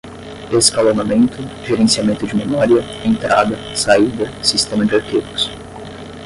escalonamento, gerenciamento de memória, entrada, saída, sistema de arquivos